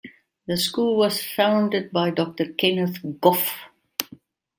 The school was founded by Doctor Kenneth Goff.